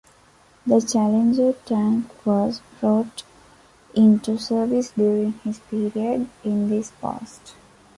The Challenger tank was brought into service during his period in this post.